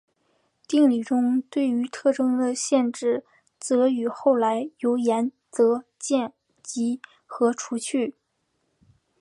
定理中对于特征的限制则与后来由岩泽健吉和除去。